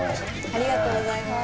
ありがとうございます。